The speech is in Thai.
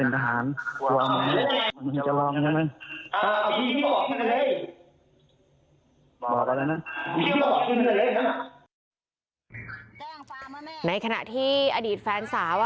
ในนี้ในขณะที่อดีตแฟนสาว